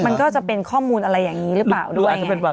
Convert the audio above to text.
มันก็จะเป็นข้อมูลอะไรอย่างนี้หรือเปล่าด้วย